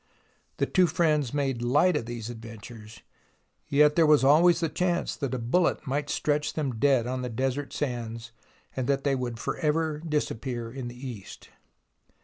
The two friends made light of these adventures, yet there was always the chance that a bullet might stretch them dead on the desert sands and that they would for ever disappear in the East.